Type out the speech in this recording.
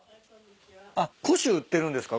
あっ古酒売ってるんですか？